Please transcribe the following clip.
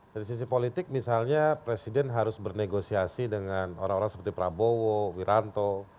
dari sisi politik misalnya presiden harus bernegosiasi dengan orang orang seperti prabowo wiranto